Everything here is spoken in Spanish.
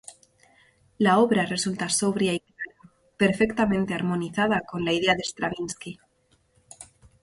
La obra resulta sobria y clara, perfectamente armonizada con la idea de Stravinski.